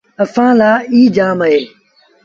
اسآݩٚ لآ ايٚ جآم اهي۔